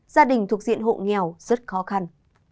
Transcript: gia đình thuộc diện hộ nghèo rất khó khăn